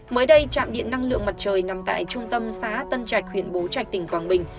mới đây trạm điện năng lượng mặt trời nằm tại trung tâm xã tân trạch huyện bố trạch tỉnh quảng bình